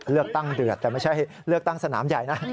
เลือกตั้งเดือดแต่ไม่ใช่เลือกตั้งสนามใหญ่นะ